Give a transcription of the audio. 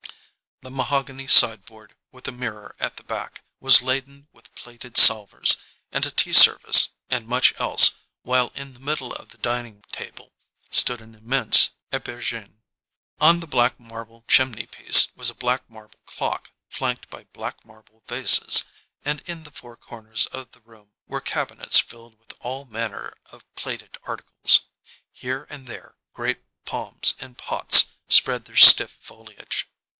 The mahogany sideboard with a mirror at the back, was laden with plated salvers, and a tea service, and much else, while in the middle of the dining table stood an immense epergne. On the black marble chimney piece was a black marble clock, flanked by black marble vases, and in the four corners of the room were cabinets filled with all manner of plated articles. Here and there great palms in pots spread their stiff foliage.